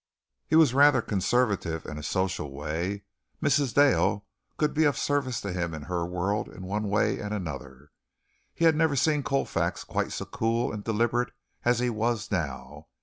He was rather conservative in a social way. Mrs. Dale could be of service to him in her world in one way and another. He had never seen Colfax quite so cool and deliberate as he was now.